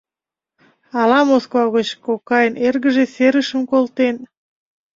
Ала Москва гыч кокайын эргыже серышым колтен?